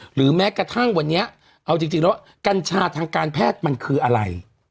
หรือแม้กระทั่งวันนี้เอาจริงแล้วกัญชาทางการแพทย์มันคืออะไร